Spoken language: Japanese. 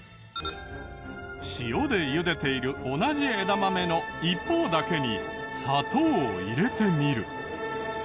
塩で茹でている同じ枝豆の一方だけに砂糖を入れてみる。